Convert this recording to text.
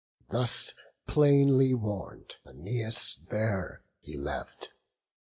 Thus plainly warn'd, Æneas there he left.